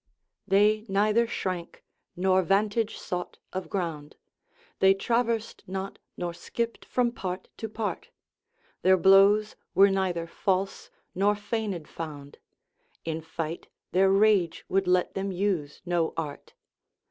["They neither shrank, nor vantage sought of ground, They travers'd not, nor skipt from part to part, Their blows were neither false, nor feigned found: In fight, their rage would let them use no art.